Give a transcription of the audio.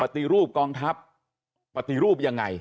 ปฏิรูปกองทัพปฏิรูปยังไง